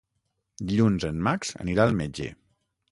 Dilluns en Max anirà al metge.